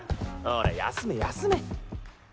ほら休め休め。